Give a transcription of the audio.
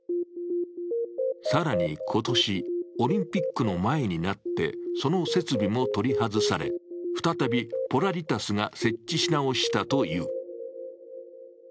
更に今年、オリンピックの前になって、その設備も取り外され、再びポラリタスが設置し直したという。